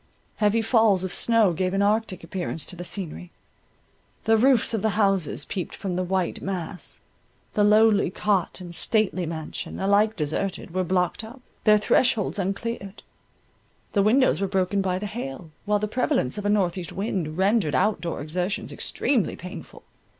Heavy falls of snow gave an arctic appearance to the scenery; the roofs of the houses peeped from the white mass; the lowly cot and stately mansion, alike deserted, were blocked up, their thresholds uncleared; the windows were broken by the hail, while the prevalence of a north east wind rendered out door exertions extremely painful.